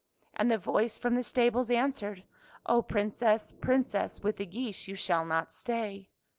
" And the voice from the stables answered, " Oh, Princess, Princess, with the geese you shall not stay."